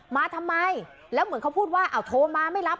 มาทำไมแล้วเหมือนเขาพูดว่าเอาโทรมาไม่รับ